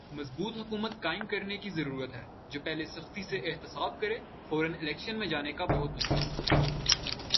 مضبوط حکومت قائم کرنے کی ضرورت ہے۔۔جو پہلے سختی سے احتساب کرے۔۔فورا الیکشن میں جانے کا بہت نقصان ہے۔۔